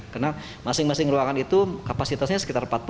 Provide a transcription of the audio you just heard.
karena masing masing ruangan itu kapasitasnya sekitar empat puluh